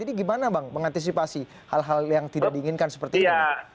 jadi gimana bang mengantisipasi hal hal yang tidak diinginkan seperti itu